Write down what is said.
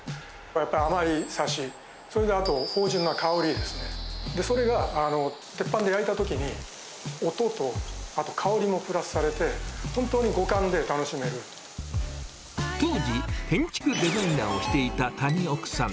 やっぱり甘いサシ、それであと、芳じゅんな香りですね、それが鉄板で焼いたときに、音とあと香りもプラスされて、当時、建築デザイナーをしていたたにおくさん。